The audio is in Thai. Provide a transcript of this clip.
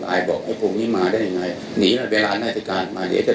เพราะเราก็เกิดออกไปแล้วระดับเนื้อใหญ่รูปสูงมาสามปีที่แล้วนะครับ